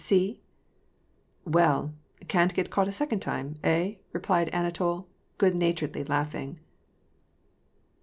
" See ?'» "Well, can't get caught a second time, — hey?" replied Anatol, good naturedly laughing.